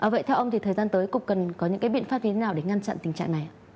vậy theo ông thì thời gian tới cục cần có những cái biện pháp như thế nào để ngăn chặn tình trạng này ạ